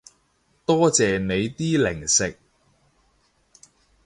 多謝你啲零食